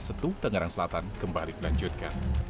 setu tangerang selatan kembali dilanjutkan